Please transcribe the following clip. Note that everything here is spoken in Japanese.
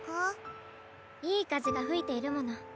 いいかぜがふいているもの。